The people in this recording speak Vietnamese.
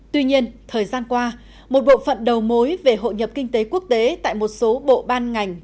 tuy nhiên thời gian qua một bộ phận đầu mối về hội nhập kinh tế quốc tế tại một số bộ ban ngành